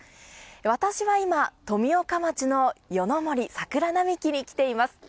私は今、富岡町の夜の森桜並木に来ています。